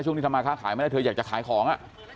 ช่วงนี้ทำไมข้าขายไม่ได้เธออยากจะขายของ